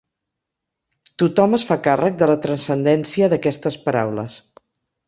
Tothom es fa càrrec de la transcendència d'aquestes paraules.